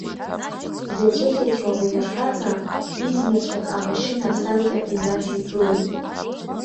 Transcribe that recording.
Дӷьаҵәыӷьаҵәуа уи ахаҵа, изнацәак амашьына асаркьа инадикылеит.